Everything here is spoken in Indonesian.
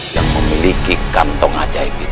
yang memiliki kantong ajaib